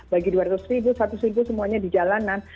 bagi dua ratus ribu satu ribu semuanya di jalanan